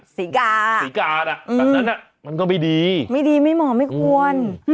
ศรีกาศรีกาน่ะแบบนั้นมันก็ไม่ดีไม่ดีไม่เหมาะไม่ควร